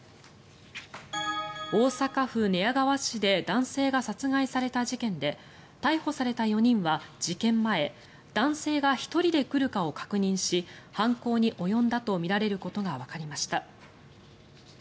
大阪府寝屋川市で男性が殺害された事件で逮捕された４人は事件前男性が１人で来るかを確認し犯行に及んだとみられることがわかりました。